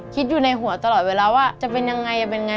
คิดอยู่ในหัวตลอดเวลาว่าจะเป็นยังไงจะเป็นไง